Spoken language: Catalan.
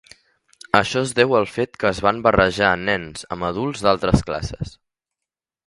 Això es deu al fet que es van barrejar nens amb adults d'altres classes.